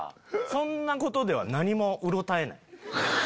そんなことでは何もうろたえない。